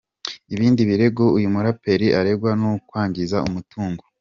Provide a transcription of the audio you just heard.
Ibindi birego uyu muraperi aregwa ni ukwangiza umutungo.